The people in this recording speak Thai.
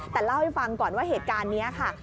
แต่เล่าให้ฟังก่อนว่าเหตุการณ์นี้ค่ะ